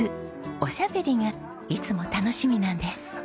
おしゃべりがいつも楽しみなんです。